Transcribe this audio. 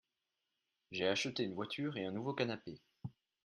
j'ai acheté une voiture et un nouveau canapé.